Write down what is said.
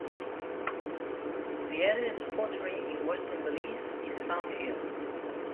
The earliest pottery in western Belize is found here.